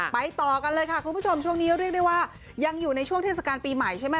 ไปต่อกันเลยค่ะคุณผู้ชมช่วงนี้เรียกได้ว่ายังอยู่ในช่วงเทศกาลปีใหม่ใช่ไหม